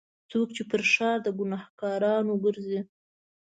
څوک چې پر ښار د ګناهکارو ګرځي.